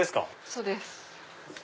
そうです。